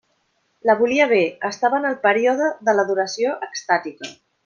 La volia bé: estava en el període de l'adoració extàtica.